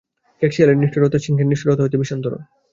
খেঁকশিয়ালের নিষ্ঠুরতা সিংহের নিষ্ঠুরতা হইতে ভীষণতর।